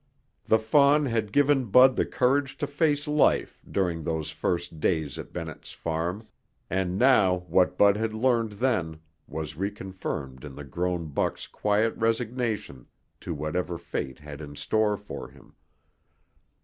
The fawn had given Bud the courage to face life during those first days at Bennett's Farm and now what Bud had learned then was reconfirmed in the grown buck's quiet resignation to whatever fate had in store for him.